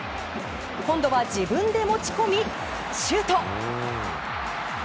今度は自分で持ち込みシュート！